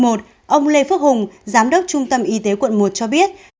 ông lê phước hùng giám đốc trung tâm y tế quận một cho biết